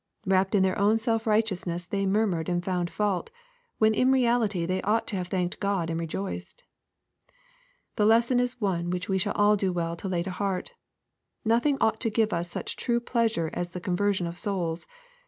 Wrapped in their own self righteousness they murmured and found fault, when in reality they ought to have thanked God and rejoiced. The lesson is one which we shall all do well to lay to heart. Nothing ought to give us such true pleasure as the conversion of souls.